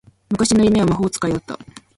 昔の夢は魔法使いだった